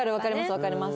わかります。